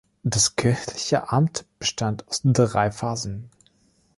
Das kirchliche Amt bestand aus drei Phasen.